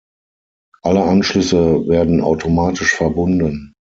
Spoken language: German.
Alle Anschlüsse werden automatisch verbunden.